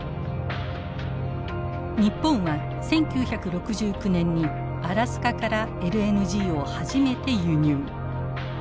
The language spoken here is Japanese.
日本は１９６９年にアラスカからＬＮＧを初めて輸入。